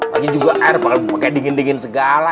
lagi juga air pake dingin dingin segala